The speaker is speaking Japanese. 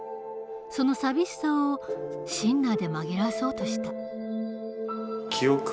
その寂しさをシンナーで紛らわそうとした。